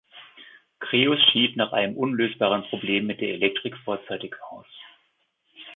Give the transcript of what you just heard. Creus schied nach einem unlösbaren Problem mit der Elektrik vorzeitig aus.